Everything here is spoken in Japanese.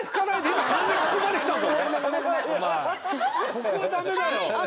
ここはダメだろう！